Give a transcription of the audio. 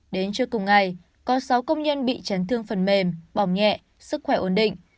đến trưa cùng ngày có sáu công nhân bị chấn thương phần mềm bỏng nhẹ sức khỏe ổn định